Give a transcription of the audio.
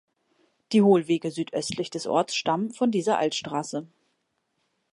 Die Hohlwege südöstlich des Orts stammen von dieser Altstraße.